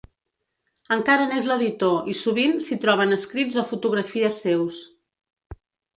Encara n'és l'editor i sovint s'hi troben escrits o fotografies seus.